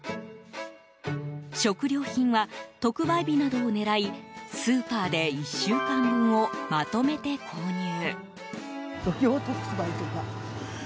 食料品は、特売日などを狙いスーパーで１週間分をまとめて購入。